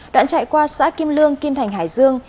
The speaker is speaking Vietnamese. đoạn chạy qua xã kim lương kim thành hải dương